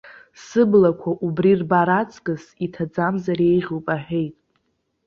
Сыблақәа убри рбар аҵкыс, иҭаӡамзар еиӷьуп аҳәеит.